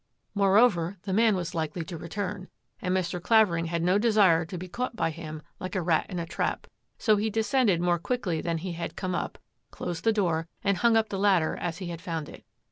Moreover, the man was likely to return, and Mr. Clavering had no desire to be caught by him like a rat in a trap, so he descended more quickly than he had come up, closed the door, and hung up the lad der as he had found it.